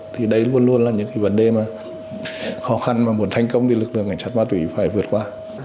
thì đấy luôn luôn là những vấn đề khó khăn mà muốn thành công thì lực lượng ngành sát ma túy phải vượt qua